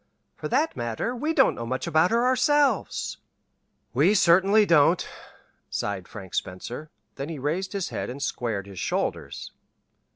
For that matter, we don't know much about her ourselves." "We certainly don't," sighed Frank Spencer; then he raised his head and squared his shoulders.